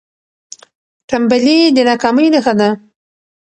ټنبلي د ناکامۍ نښه ده.